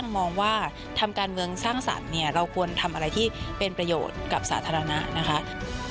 มองว่าทำการเมืองสร้างสรรค์เนี่ยเราควรทำอะไรที่เป็นประโยชน์กับสาธารณะนะคะ